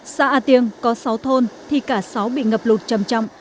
xã a tiêng có sáu thôn thì cả sáu bị ngập lụt chầm chọng